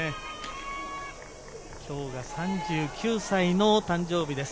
今日が３９歳の誕生日です。